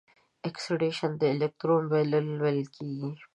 اکسیدیشن د الکترون بایلل ویل کیږي.